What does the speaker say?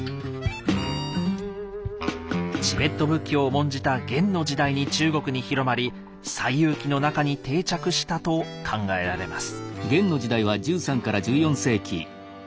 チベット仏教を重んじた元の時代に中国に広まり「西遊記」の中に定着したと考えられます。